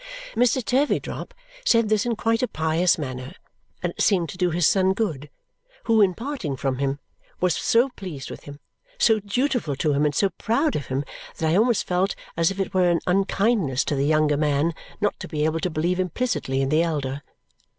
Mr. Turveydrop said this in quite a pious manner, and it seemed to do his son good, who, in parting from him, was so pleased with him, so dutiful to him, and so proud of him that I almost felt as if it were an unkindness to the younger man not to be able to believe implicitly in the elder.